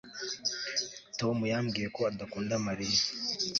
Tom yambwiye ko adakunda Mariya